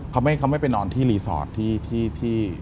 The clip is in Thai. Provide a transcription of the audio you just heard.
เขาไม่ไปนอนที่รีสอร์ทที่